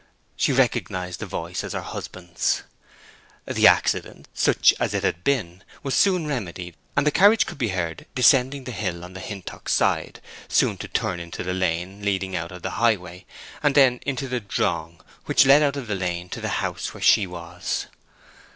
She recognized the voice as her husband's. The accident, such as it had been, was soon remedied, and the carriage could be heard descending the hill on the Hintock side, soon to turn into the lane leading out of the highway, and then into the "drong" which led out of the lane to the house where she was.